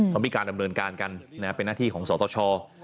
เขามีการดำเนินการกันเป็นหน้าที่ของสตช